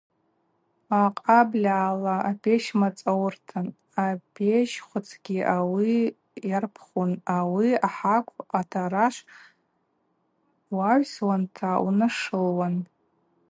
Акъабльала апещ мацӏауыртан, апещхвыцгьи ауи йарпхун, ауи ахӏакв атарашв уагӏвсуанта унашылуан.